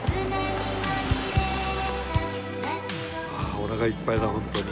おなかいっぱいだ本当に。